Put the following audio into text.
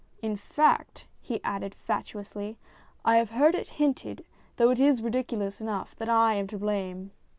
"In fact," he added fatuously, " I have heard it hinted, though it is ridiculous enough, that I am to blame."